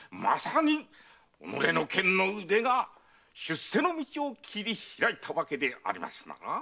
まさに己の剣の腕が出世の道を切り開いたわけでありますな。